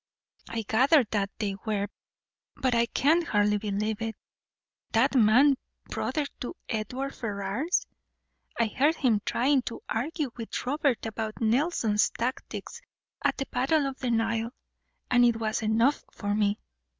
"I gathered that they were, but I can hardly believe it. That man brother to Edward Ferrars! I heard him trying to argue with Robert about Nelson's tactics at the battle of the Nile, and it was enough for me.